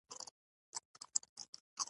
مېلمه ته بې له غوږ وهلو خبرې مه کوه.